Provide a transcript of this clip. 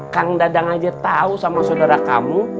kang dadang aja tau sama sodara kamu